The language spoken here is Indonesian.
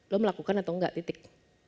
lo melakukan atau enggak titik